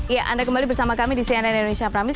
iya anda kembali bersama kami di cnn indonesia pramius